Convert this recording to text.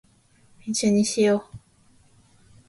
一緒にしよ♡